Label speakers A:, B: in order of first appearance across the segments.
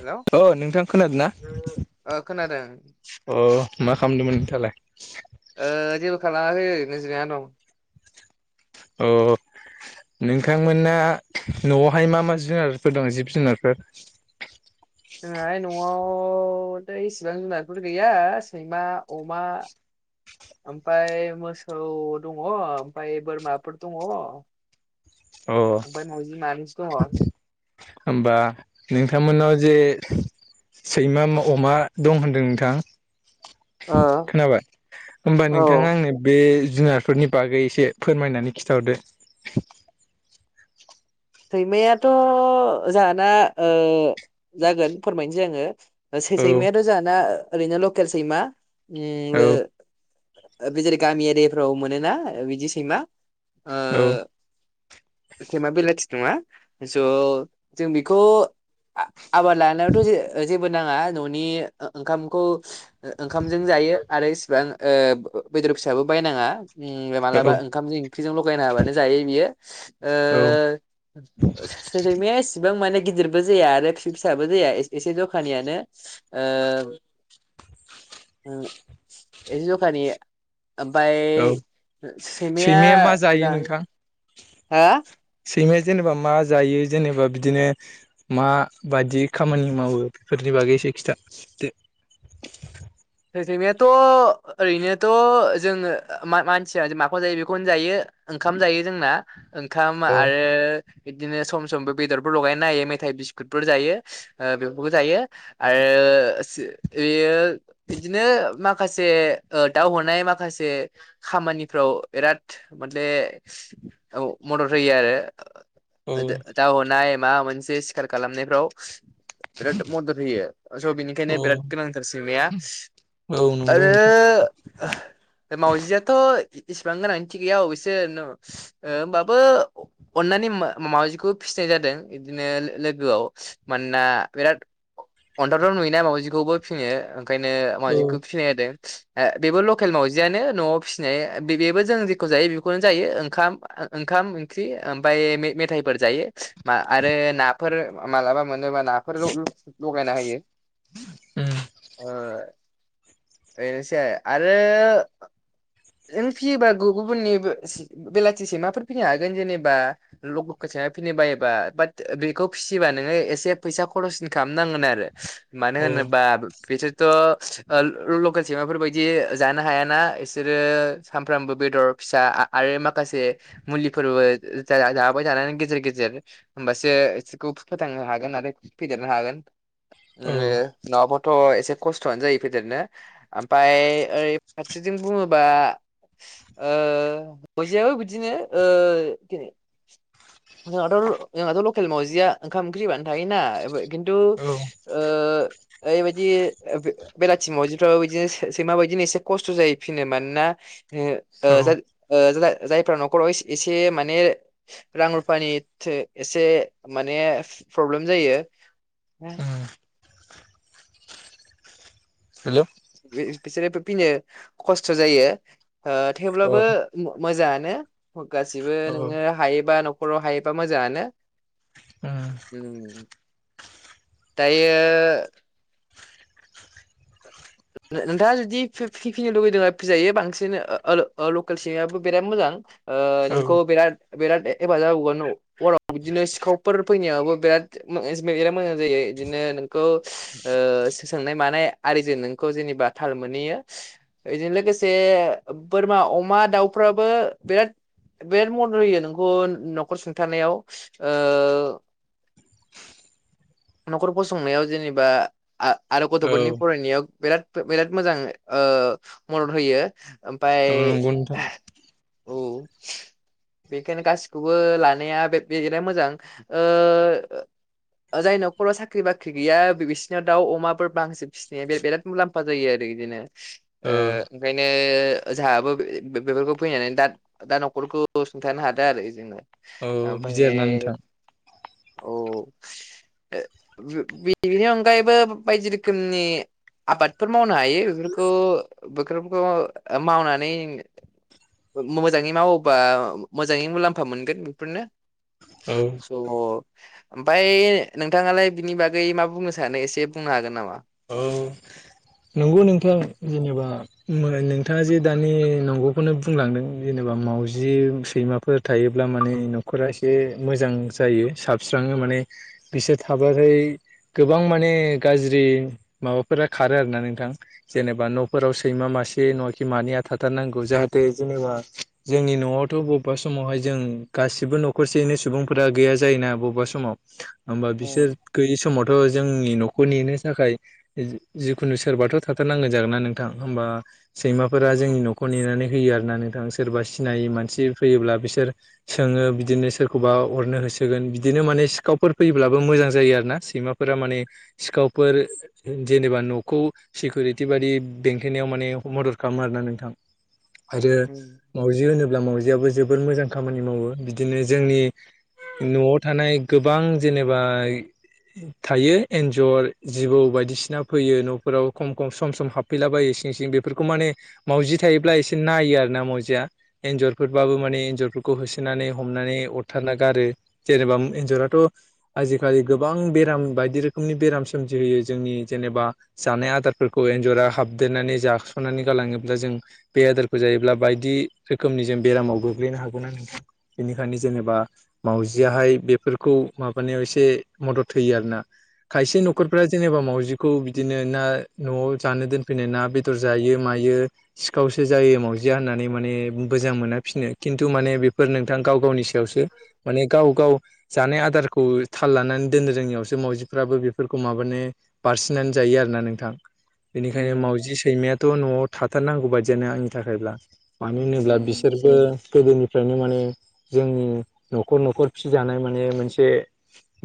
A: Hello
B: अ नोंथां खोनादों ना
A: ओ खोनादों
B: ओ मा खालामदोंमोन नोंथालाय?
A: ओ जेबो खालामाखै ओरैनो जिरायना दं।
B: अ नोंथांमोना न'आवहाय मा मा जुनारफोर दं जिब जुनारफोर [unintelligible]
A: जोंहाय न'आव द इसिबां जुनारफोर गैया सैमा अमा आमफाय मोसौ दङ आमफफ्राय बोरमाफोर दङ।
B: अ
A: मावजि मानैसो दङ
B: होमबा नोंथांमोननाव जे सैमा अमा दं होनदों नोंथां?
A: ओ
B: खोनाबाय होमबा नोंथाङा
A: औ
B: आंनो बे जुनारफोरनि बागै एसे फोरमायनानै खिन्थाहरदो।
A: सैमायाथ' जाहाना ओ जागोन फोरमायनोसै आङो।
B: औ
A: सैमायाथ जाहाना ओरैनो लकेल सैमा उम ओ
B: औ
A: बे जेरै गामि एरियाफ्राव मोनोना बिदि सैमा ओ
B: औ।
A: सैमा बेलाथि नङा स जों बेखौ आबाद लानायावथ ज जेबो नाङा न'नि ओ-ओंखामखौ ओ-ओंखामजों जायो। आरो इसिबां बे-बेदर फिसाबो बायनाङा। मालाबा
B: औ
A: ओंखामजों ओंख्रिजों लगायनो हाबानो जायो बियो ओ
B: औ
A: सो-सैमाया एसेबां माने गिदिरबो जाया आरो फि फिसाबो जाया एसे-एसे जखानियानो एसे जखानि ओमफ्राय
B: औ
A: सैमाया
B: मा जायो
A: ज
B: नोंथां?
A: हा
B: सैमाया जेनेबा मा जायो जेनेबा बिदिनो मा बायदि खामानि मावो बेफोर नि बागैसो खिथा दो?
A: सैनायाथ' ओरैनोथ' जोङो मानसिया माखौनो जायो बेखौनो जायो ओंखाम जायो जोंना ओंखाम
B: दो
A: आरो
B: अ
A: बिदिनो सम समबो बेदरफोर लगायनो नायायो मेथाइ बिस्कुटफोर जायो ओ बेबो जायो आरो ओ एयो बिदिनो माखासे ओ दाव हनाय माखासे खामानिफ्राव बिराद मते मदद होयो आरो
B: अ
A: दा हनाय मा मोनसे सिखार खालामनायफ्राव बिराद मदद होयो स' बिनिखायनो
B: अ
A: बिराद गोनांथार सैमाया
B: औ नंगौ
A: आरो
B: नोंथां
A: आह मावजियाथ इसेबां गोनांथि गैया अबेस होमबाबो अननानै माउजिखौ फिसिनाय जादों बिदिनो लो-लोगोआव मानोना बिराद अन्थाव थाव नुयोना माउजि खौबो फिसिनो ओंखायनो
B: औ
A: माउजिखौ फिनाय जादों। ए बेबो लकेल मावजियानो न'आव फिसिनाय बेबो जों जेखौ जायो बेखौनो जायो ओंखाम ओंखाम ओंख्रि ओमफ्राय मेथाइ फोर जायो आरो नाफोर मालाबा मोनोबा नाफोर लगायना होयो।
B: उम
A: एसे आरो नों फियोबा गुबु गुबुननि बेलाथिस सैमा फोर फिनो हागोन जेनेबा ल सा फिनो बायोबा बाट बेखौ फिसियोबा नोङो एसे फैसा खरस खालाम नांगोन आरो। मानो
B: औ
A: होनोबा बिसोरथ' लकेल सैमा फोरबायदि जानो हायाना इसोरो सामफ्रामबो बेदर फिसा आरो माखासे मुलि फोरबो जा जाबाय जानानै गेजेर गेजेर होमबासो इसोरखौ फोथां हागोन आरो फेदेरनो हागोन ओ
B: औ
A: नङाबाथ' एसे खस्थ'आनो जायो फेदेरनो। ओमफ्राय ओरै फारसेथिं बुङोबा ओ मावजि आबो बिदिनो ओ जोंहाथ' जोंहाथ' लकेल मावजिया ओंखाम ओंख्रि होबानो थायोना खिन्थु
B: औ
A: ओ ओय बायदि बेलाथि मावजि फ्राबो बिदिनो सो सैमा बायदिनो एसे खस्थ' जायो फिनो मानोना हो
B: औ
A: जाज ओ जाजा ओ जाय जाय फ्रा न'खराव एसे माने रां रुफानि एसे माने फ्रब्लेम जायो
B: उम हेल'
A: बिसोरो फिनो खस्थ' जायो ओ
B: अ
A: थेवब्लाबो मो मोजाङानो। गासिबो
B: औ
A: नोङो हायोबा न'खराव हायोबा मोजाङानो।
B: उम
A: दायो
B: [inaudible]
A: नोंथाङा जुदि फि फिनो लुुबैदों फिजायो बांसिन ओ ओ लकेल सैमायाबो बिराद मोजां। ओ
B: औ
A: नोंखौ बिराद बिराद हेफाजाब होगोन हराव बिदिनो सिखाव फोर फैनायावो बिराद बिराद मोजां जायो बिदिनो नोंखौ ओ सोंनाय मानाय आरिजों नोंखौ जेनेबा थाल मोनहैयो बेजों लोगोसे बोरमा अमा दाउफ्रा फ्राबो बिराद बिराद मदद होयो नोंखौ न'खर सुंथानायाव ओ
B: [inaudible]
A: न'खर फसंनायाव जेनेबा आ आरो
B: औ
A: गथ'फोरनि फरायनायाव। बिराद बिराद मोजां ओ मदद होयो ओमफाय
B: औ नंगौ नोंथां
A: औ। बेखायनो गासि खौबो लानाया बे बिराद मोजां। जायनाव न'खराव साख्रि बाख्रि गैया बिसिनिव दाउ अमा फोर बांसिन फिसिनाया बे बिराद मुलाम्फा जायो आरो इदिनो। ओ
B: औ
A: ओंखायनो जोंहाबो बेफोरखौ फैनानै दा दा न'खरखौ सुंथानो हादों आरो।
B: औ बिदि आरोना नोंथां।
A: अ बिनि अनगायैबो बायदि रोखोमनि आबादफोर मावनो हायो बेफोरखौ बेफोरखौ मावनानै मोजाङै मावोबा मोजाङै मुलाम्फा मोनगोन बेफोरनो।
B: औ
A: स ओमफ्राय नोंथाङा लाय बिनि बागै मा बुंनो सानो एसे बुंनो हागोन नामा?
B: औ। नंगौ नोंथां जेनेबा नोंथाङा जे दानि नंगौ खौनो बुंलांदों। जेनेबा माउजि सैमा फोर थायोब्ला माने न'खरा एसे मोजां जायो साबस्रां ङो माने बिसोर थाबाथाय गोबां माने गाज्रि माबाफोरा खारो आरो ना नोंथां जेनेबा न'फोराव सैमा मासे नङाखि मानैया थाथार नांगौ जाह जाहाथे जेनेबा जोंनि न' आवथ' बबेबा समावहाय जों गासिबो न'खर सेयैनो सुबुंफोरा गैया जायोना बबेबा समाव होमबा बिसोर गैयि समावथ' जोंनि न'खरनिनो थाखाय जिखुनु सोरबाथ' थाथारनांगोन जागोन ना नोंथां होमबा सैमाफोरा जोंनि न'खौ नेनानै होयो आरोना नोंथां सोरबा सिनायै मानसि फैयोब्ला बिसोर सोङो बिदिनो सोरखौबा अरनो हो होसोगोन बिदिनो माने सिखावफोर फैयोब्लाबो मोजां जायो आरोना सैमाफोरा माने सिखावफोर जेनेबा न'खौ सिकिउरिटि बाइदि बेंखेनायाव माने मदद खालामो आरोना नोंथां आरो मावजि होनोब्ला मावजिआबो जोबोर मोजां खामानि मावो बिदिनो जोंनि न'आव थानाय गोबां जेनेबा थायो एन्जर जिबौ बायदि बायदिसिना फैयो न'फोराव खम खम सम सम हाबफैलाबायो इ सिं इ सिं बेफोरखौ माने म मावजि थायोब्ला एसे नायो आर ना मजिया एन्जरफोरबाबो माने एन्जरफोरखौ होसोनानै हमनानै अरथारना गारो जेनेबा एन्जराथ' आजिखालि गोबां बेराम बायदि रोखोमनि बेराम सोमजिहोयो जोंनि जेनेबा जानाय आदारफोरखौ एन्जरा हाबदेरनानै जाख'नानै गालाङोब्ला जों बे आदारखौ ज ब हनिायनो जेबा माव गाहाय बेफोरखौ माबानायाव एसे मदद होयो आरोोना खायसे न'रफ्रा जेनेबा मावजि खौ बिदिनो ना न'आव जानो दोनफैनाय ना बेदर जायो मायो सिखावसो जायो म होननानै माने मोजां मोना फिनो खिन्थु माने बेफोर नोंथां गाव गावनि सायावसो माने गाव गाव जानाय आदारखौ थाल लानानै दोननो रोङियावसो मावजिफ्राबो बेफोरखौ माबानो बारसिननानै जायो आरो ना नोंथां बेनिखायनो मावजि सैमायाथ' न'आव थाथारनांगौ बायदियानो आंनि थाखायब्ला मानो होनोब्ला बिसोरबो गोदोनिफ्रायनो माने जोंनि न'खर न'खर फिजानाय माने मोनसे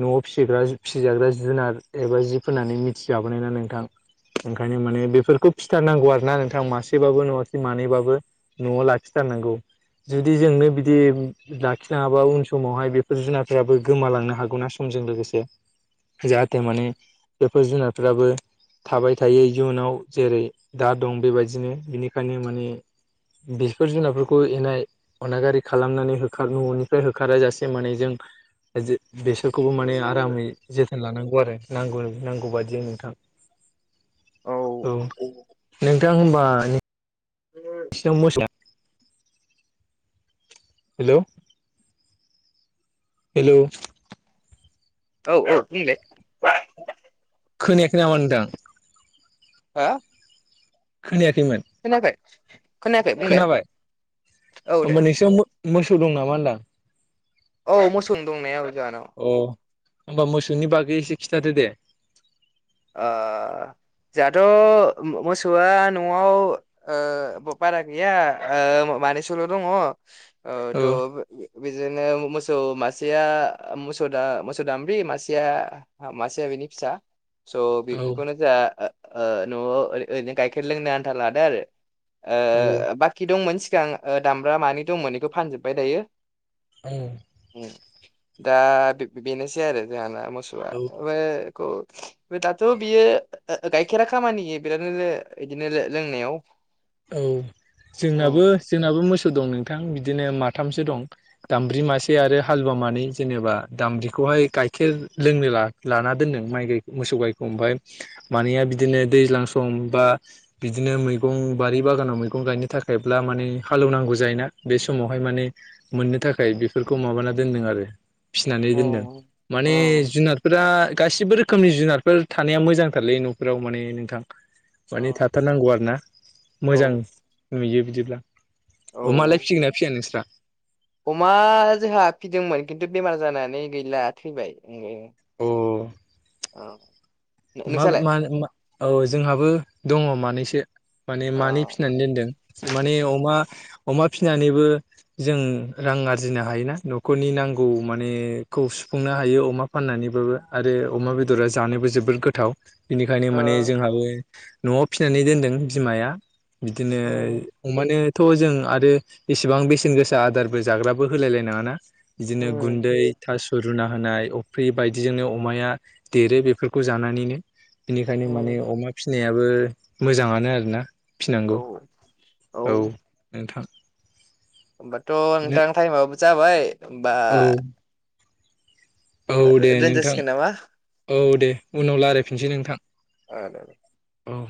B: न'आव फिसिग्रा फिसिजाग्रा जुनार एबा जि फनानै मिथिजाबोनाय ना नोंथां ओंखायनो माने बेफोरखौ फिथारनांगौ आरोना नोंथांा मासेबाबो न'ासे मानैबाबो न'आव लाखिथारगौ जु जोंनो बिदि नाङाबा उन समावहाय बेफोर जुनारफोराबो गोमालांनो हागौ न समजों लोगोसे जाहाथे माने बेफोर जुनारफोराबो थाबाय थायो जुनाव जेरै दा दं बेबायदिनो बेनिखायनो माने बेफोर जुनारफोरखौ एनाय अनागारि खालामनानै होखार न'निफ्राय होखारा जासे माने जों बेसोरखौबो माने आरामै जोथोन लानांगौ आरो नांगौ नांगौ बादि नोंथां औ नोंथ सिां होमबा एसेां मोसा हेल' हेल'
A: औ औ थमल
B: खोनायाख नामा होनदों
A: हा
B: खोनया
A: ननााखाय
B: खोनाबाय
A: औ दे
B: होमबा नोंसोर मोसौ दं नामा होनदां
A: औ मोसौ दंनाया जाहानाव
B: हबा मोसौनि बागै एसे खिथादो दे
A: अ जोंहाथ' मोसौआ न'आव बारा गैया मानिसल' दङ
B: औ
A: बिदिनो मोसौ मासेया मोसौ मोसौ दाम्ब्रि मासेया मासेया बेनि फिसा स' बे
B: औ
A: बेखौनो जोंहा न'आव ओरैनो गाइखेर लोंनो आन्था लादो आरो
B: औ
A: बाखि दंमोन सिगां दामब्रा मानि दंमोन बेखौ फानजोबबाय दायो
B: औ
A: उम दा बेनोसै आरो जोंहाना मोसौआ
B: औ
A: बेओफ्रायखौ दाथ' बियो गाइखेरा खामानि बिरादनो बिदिनो लोंनायाव
B: औ
A: औ
B: जोंनाबो जोंनाबो मोसौ दं नोंथां बिदिनो माथामसो दं दामब्रि मासे आरो हालुवा मानै जेनेबा दामब्रिखौ गायखेर लोंनो लाना दोन्दों माय मोसौ गायखौ ओमफाय मानैया बिदिनो दै दैज्लां सम बा बिदिनो मैगं बारि बागानाव मैगं गायनो थाखायब्ला माने हालौवनांगौ जायोना बे समावहाय माने मोननो थाखाय बेफोरखौ माबाना दोनदों आरो फिसिनानै
A: औ
B: दोनदों माने जुनारफोरा गासिबो रोखोमनि जुनारफोर थानाया मोजांथारलै न'फोराव माने नोंथां माने थाथारनांगौ आरोना मोजां नुयो बिदिब्ला अ मालाय
A: औ
B: फिसिगोन ना फिसिया नोंस्रा
A: अमा जोंहा फिदोंमोन खिन्थु बेमार जानानै गैला थैबाय।
B: अह
A: औ।
B: मा मा औ जोंहाबो दङ मानैसो माने
A: औ
B: मानै फिनानै दोनदों माने अमा अमा फिनानैबो जों रां आरजिनो हायोना न'खरनि नांगौ माने खौ सुफुंनो हायो अमा फाननानैबाबो आरो अमा बेदरा जानोबो जोबोद गोथाव गोथाव बिनिखायनो माने जोंहाबो न'आव फिसिनानै दोनदों बिमाया बिदिनो
A: औ
B: अमानो थ' जों आरो इसिबां बेसेन गोसा आदारबो जाग्राबो होलायलाय नङाना बिदिनो गुन्दै थास' रुना होनाय अफ्रि बायदिजोंनो अमाया देरो बेफोरखौ जानानैनो बेनिखायनो माने अमा फिसिनायाबो मोजाङानो आरोना फिनांगौ औ नोंथां।
A: होमबाथ' नोंथां थाइमाबो जाबाय होनबा
B: औ औ दे नोंथां
A: दोनजासिगोन नामा
B: औ दे उनाव रायलायफिनसै नोंथां
A: ओ दे दे।
B: अह